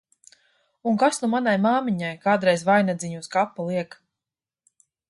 Un kas nu manai māmiņai kādreiz vainadziņu uz kapa liek!